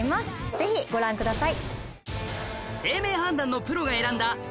ぜひご覧ください。